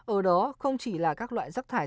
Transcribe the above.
ở đó không chỉ là các loại rắc thải